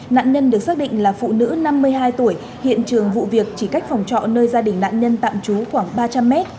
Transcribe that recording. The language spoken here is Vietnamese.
nạn nhân được xác định là phụ nữ năm mươi hai tuổi hiện trường vụ việc chỉ cách phòng trọ nơi gia đình nạn nhân tạm trú khoảng ba trăm linh mét